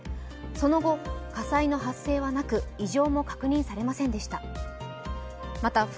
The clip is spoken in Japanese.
その後、火災の発生はなく異常も確認されませんでした。